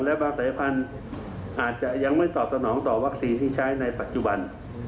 และบางสายพันธุ์อาจจะยังไม่ตอบสนองต่อวัคซีนที่ใช้ในปัจจุบัน